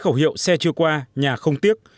nếu xe chưa qua nhà không tiếc